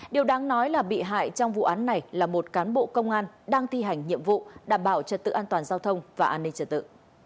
điều đáng nói là bị hại trong vụ án này là một cán bộ công an đang thi hành nhiệm vụ đảm bảo trật tự an toàn giao thông và an ninh trật tự